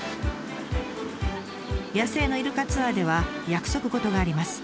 野生のイルカツアーでは約束事があります。